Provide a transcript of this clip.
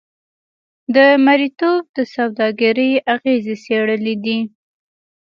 د مریتوب د سوداګرۍ اغېزې څېړلې دي.